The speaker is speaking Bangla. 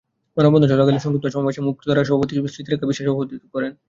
মানববন্ধন চলাকালে সংক্ষিপ্ত সমাবেশে মুক্তধারার সভাপতি স্মৃতি রেখা বিশ্বাস সভাপতিত্ব করেন।